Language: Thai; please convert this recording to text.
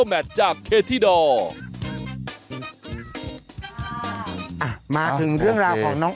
มาถึงเรื่องราวของน้อง